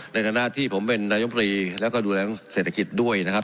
ในฐานะที่ผมเป็นนายมรีแล้วก็ดูแลเศรษฐกิจด้วยนะครับ